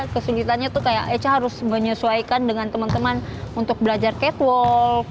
kesulitannya tuh kayak echa harus menyesuaikan dengan teman teman untuk belajar catwalk